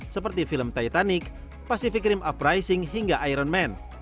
seperti film titanic pacific rim uprising hingga iron man